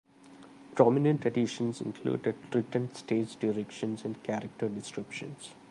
Prominent additions included written stage directions and character descriptions.